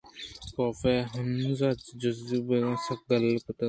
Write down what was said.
کاف ہانزءِ جزبگاں سک گل کُت